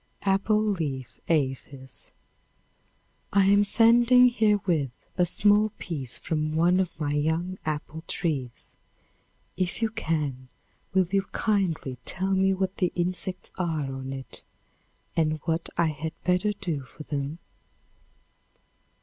Apple Leaf Aphis. I am sending herewith a small piece from one of my young apple trees. If you can, will you kindly tell me what the insects are an it, and what I had better do for them?